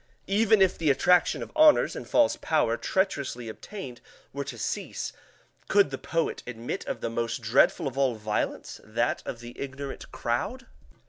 Even if the attraction of honors and false power treacherously obtained were to cease, could the poet admit of the most dreadful of all violence, that of the ignorant crowd?